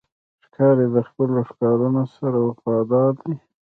ښکاري د خپلو ښکارونو سره وفادار دی.